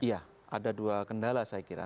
iya ada dua kendala saya kira